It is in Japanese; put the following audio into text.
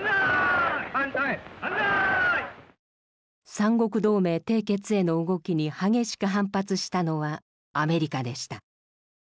三国同盟締結への動きに激しく反発したのはアメリカでした。